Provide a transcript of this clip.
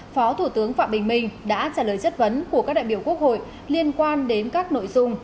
phó thủ tướng phạm bình minh đã trả lời chất vấn của các đại biểu quốc hội liên quan đến các nội dung